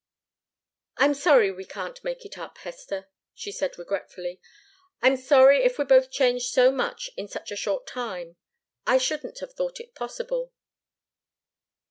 "I'm sorry we can't make it up, Hester," she said, regretfully. "I'm sorry if we're both changed so much in such a short time. I shouldn't have thought it possible."